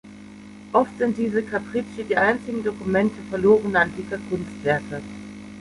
Oft sind diese Capricci die einzigen Dokumente verlorener antiker Kunstwerke.